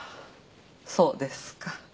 そうですか。